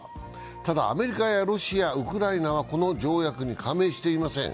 ただ、アメリカやロシアウクライナはこの条約に加盟していません。